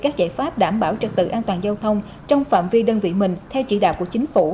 các giải pháp đảm bảo trật tự an toàn giao thông trong phạm vi đơn vị mình theo chỉ đạo của chính phủ